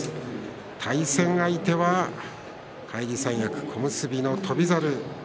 対戦相手は返り三役、小結の翔猿。